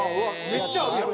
めっちゃあるやん！